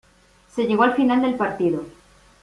Se llegó al final del partido.